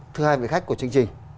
thưa hai vị khách của chương trình